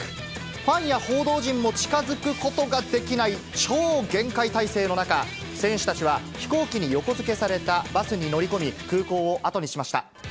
ファンや報道陣も近づくことができない、超厳戒態勢の中、選手たちは飛行機に横付けされたバスに乗り込み、空港を後にしました。